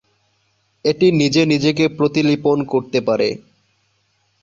এটি নিজে নিজেকে প্রতিলিপন করতে পারে।